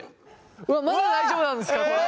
まだ大丈夫なんですかこれ。